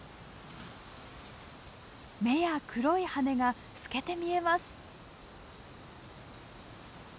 目や黒い羽が透けて見えます。